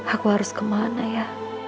aku harus kemana ya